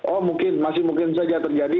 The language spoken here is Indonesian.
oh mungkin masih mungkin saja terjadi